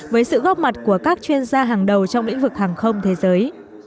với sự góp mặt của các chuyên gia hàng đầu trong lĩnh vực hàng không thế giới